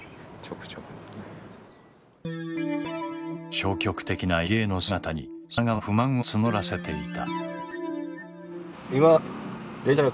消極的な伊芸の姿に砂川は不満を募らせていた。